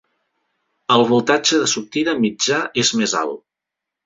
El voltatge de sortida mitjà és més alt.